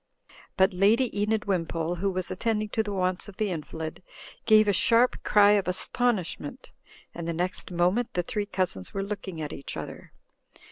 But Lady Enid Wimpole, who was attending to the wants of the invalid, gave a sharp cry of astonishment ; and the next moment the three cousins were looking at each other.